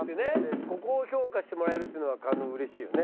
ここを評価してもらえるっていうのは加納嬉しいよね？